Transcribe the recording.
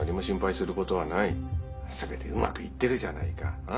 すべてうまくいってるじゃないか。